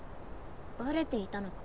バレていたのか。